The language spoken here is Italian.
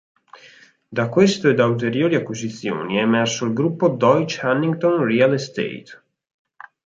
Da questo e da ulteriori acquisizioni è emerso il gruppo Deutsche Annington Real Estate.